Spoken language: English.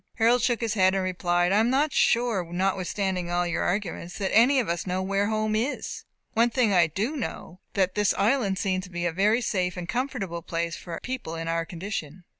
Harold shook his head, and replied, "I am not sure, notwithstanding all your arguments, that any of us know where home is. One thing I do know, that this island seems to be a very safe and comfortable place for people in our condition.